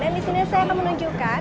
dan di sini saya akan menunjukkan